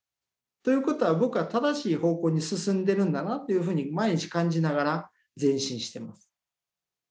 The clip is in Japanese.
ということは僕は正しい方向に進んでるんだなというふうに毎日感じながら前進してます。